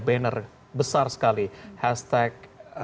banner besar sekali hashtag